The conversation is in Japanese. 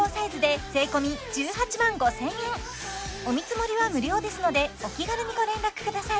お見積もりは無料ですのでお気軽にご連絡ください